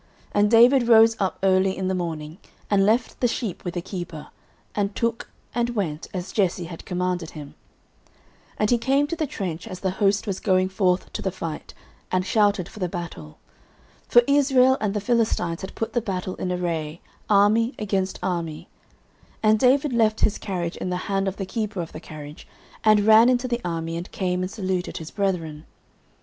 09:017:020 And David rose up early in the morning, and left the sheep with a keeper, and took, and went, as Jesse had commanded him; and he came to the trench, as the host was going forth to the fight, and shouted for the battle. 09:017:021 For Israel and the Philistines had put the battle in array, army against army. 09:017:022 And David left his carriage in the hand of the keeper of the carriage, and ran into the army, and came and saluted his brethren.